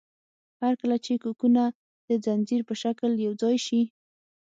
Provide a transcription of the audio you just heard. هر کله چې کوکونه د ځنځیر په شکل یوځای شي.